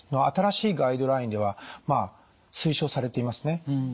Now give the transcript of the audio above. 新しいガイドラインでは推奨されていますね。